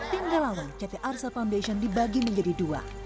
tim relawan ct arsa foundation dibagi menjadi dua